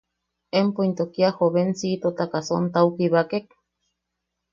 ¿Empo into kia jovencíitotaka sontao kibakek?